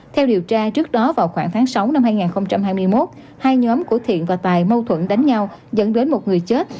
theo điều tra trước đó vào khoảng tháng sáu năm hai nghìn hai mươi một hai nhóm của thiện và tài mâu thuẫn đánh nhau dẫn đến một người chết